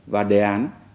và đề án